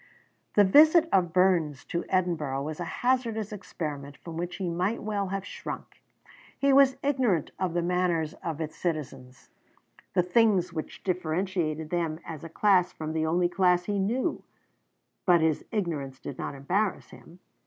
The visit of Burns to Edinburgh was a hazardous experiment from which he might well have shrunk. He was ignorant of the manners of its citizens, the things which differentiated them as a class from the only class he knew, but his ignorance did not embarrass him.